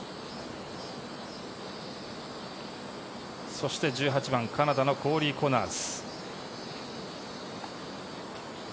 そして１８番カナダのコーリー・コナーズ。